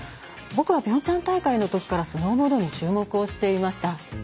僕はピョンチャン大会のときからスノーボードに注目をしていました。